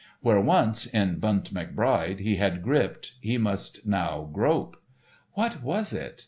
Where once, in "Bunt McBride," he had gripped, he must now grope. What was it?